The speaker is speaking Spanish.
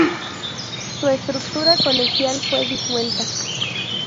Su estructura colegial fue disuelta.